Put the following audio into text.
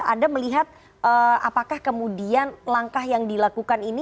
anda melihat apakah kemudian langkah yang dilakukan ini